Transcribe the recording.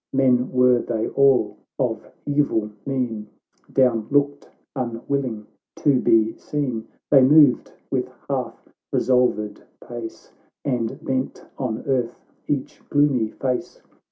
Men were they all of evil mien, Down looked, unwilling to be seen ;' They moved with half resolved pace, And bent on earth each gloomy face.